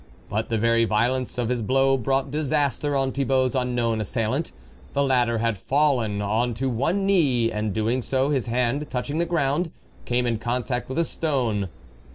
But the very violence of his blow brought disaster on Thibault's unknown assailant. The latter had fallen on to one knee, and so doing, his hand, touching the ground, came in contact with a stone.